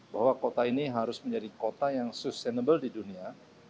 bahwa kota ini harus menjadi kota yang sustainable di dunia